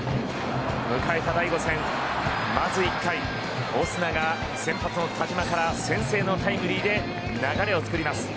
迎えた第５戦まず１回、オスナが先発の田嶋から先制のタイムリーで流れを作ります。